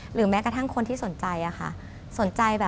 หรือแม้กระทั่งคนที่สนใจ